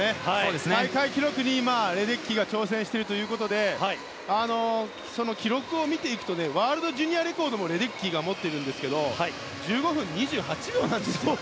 大会記録にレデッキーが挑戦しているということで記録を見ていくとワールドジュニアレコードもレデッキーが持っているんですが１５分２８秒なんですよ。